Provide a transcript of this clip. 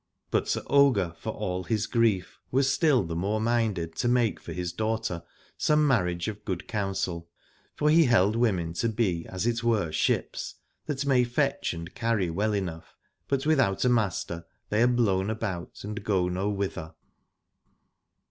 But Sir Ogier for all his grief was still the more minded to make for his daughter some marriage of good counsel : for he held women to be as it were ships, that may fetch and carry well enough, but without a master they are blown about and go no whither.